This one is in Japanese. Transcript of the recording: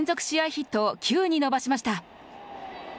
ヒットを９に伸ばしました。